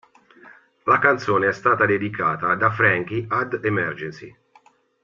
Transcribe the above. La canzone è stata dedicata da Frankie ad Emergency.